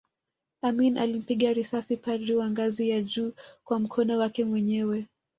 Amin alimpiga risasi padri wa ngazi ya juu kwa mkono wake mwenyewe